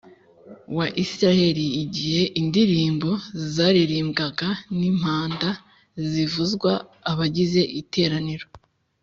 Wa isirayeli igihe indirimbo zaririmbwaga n n impanda zivuzwa abagize iteraniro